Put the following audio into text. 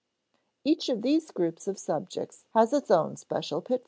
Each of these groups of subjects has its own special pitfalls.